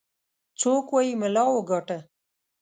څوك وايي ملا وګاټه.